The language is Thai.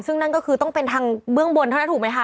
ซึ่งนั่นก็คือต้องเป็นทางเบื้องบนเท่านั้นถูกไหมคะ